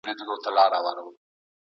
که لګښت کم کړو د ژوند کچه نه لوړیږي.